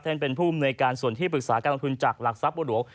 เป็นผู้อำนวยการส่วนที่ปรึกษาการลงทุนจากหลักทรัพย์บัวหลวง